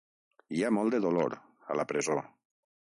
Hi ha molt de dolor, a la presó.